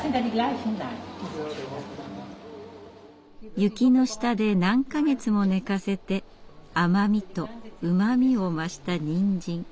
雪の下で何か月も寝かせて甘みとうまみを増したにんじん。